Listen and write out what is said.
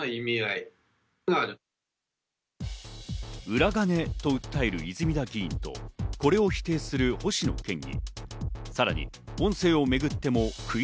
裏金と訴える泉田議員と、これを否定する星野県議。